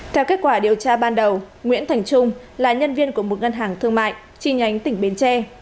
theo kết quả điều tra ban đầu nguyễn thành trung là nhân viên của một ngân hàng thương mại chi nhánh tỉnh bến tre